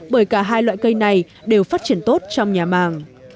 bởi cả hai loại cây này đều phát triển tốt trong nhà màng